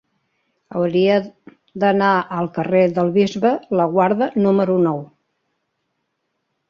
Hauria d'anar al carrer del Bisbe Laguarda número nou.